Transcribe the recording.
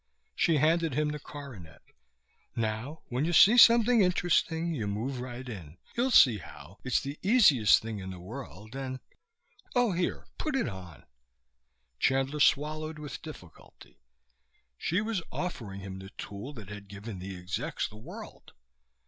She handed him the coronet. "Now, when you see something interesting, you move right in. You'll see how. It's the easiest thing in the world, and Oh, here. Put it on." Chandler swallowed with difficulty. She was offering him the tool that had given the execs the world.